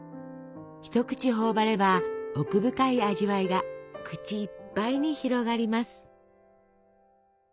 一口頬張れば奥深い味わいが口いっぱいに広がります。